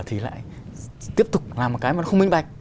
thì lại tiếp tục làm một cái mà không minh bạch